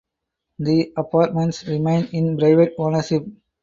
The apartments remain in private ownership.